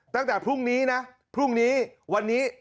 ตั้งแต่พรุ่งนี้นะพรุ่งนี้วันนี้